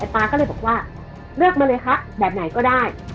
ป๊าก็เลยบอกว่าเลือกมาเลยครับแบบไหนก็ได้